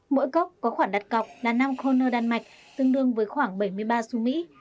mỗi cốc có khoảng đặt cốc là năm kroner đan mạch tương đương với khoảng bảy mươi ba xu mỹ